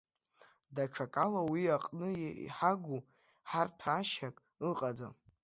Даҽакала уи аҟны иҳагу харҭәаашьак ыҟаӡам.